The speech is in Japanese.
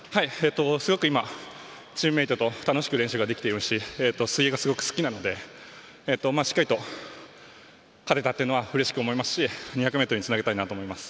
すごく今、チームメートと楽しく練習ができていますし水泳がすごく好きなのでしっかりと勝てたのはうれしかったですし２００ｍにつなげたいなと思います。